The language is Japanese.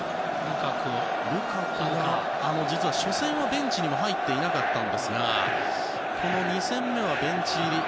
ルカクが実は初戦はベンチにも入っていなかったんですがこの２戦目はベンチ入り。